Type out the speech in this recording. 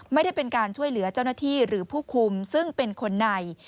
ไม่ได้เป็นการช่วยเหลือเจ้าหน้าที่หรือผู้คุมซึ่งเป็นคนใน